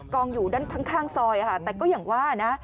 อยู่ด้านข้างซอยแต่ก็อย่างว่านะ